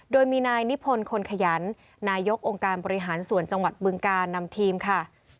โดยมีนายนิพนธ์คนขยันนายกองค์การบริหารส่วนจังหวัดบึงการนำทีมค่ะ